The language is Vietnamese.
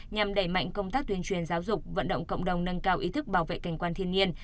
nhằm đẩy mạnh công tác tuyên truyền giáo dục vận động cộng đồng nâng cao ý thức bảo vệ cảnh quan thiên nhiên